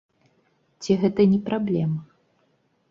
Ці гэта не праблема?